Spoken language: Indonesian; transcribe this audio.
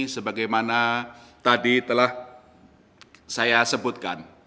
sebagaimana tadi telah saya sebutkan